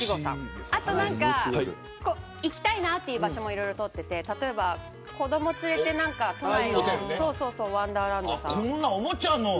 あとは行きたいなという場所もいろいろ撮ってて子ども連れて都内のワンダーランドさん。